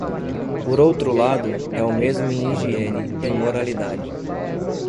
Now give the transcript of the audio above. Por outro lado, é o mesmo em higiene, em moralidade.